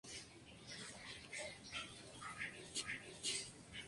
Su padre era carpintero y su madre era modista en una tienda.